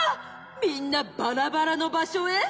みんなバラバラのばしょへ！